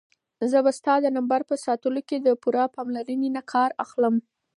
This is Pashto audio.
زه به ستا د نمبر په ساتلو کې د پوره پاملرنې نه کار اخلم.